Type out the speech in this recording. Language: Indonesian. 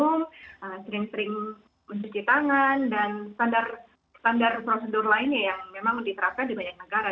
yang sering sering mencuci tangan dan standar prosedur lainnya yang memang diterapkan di banyak negara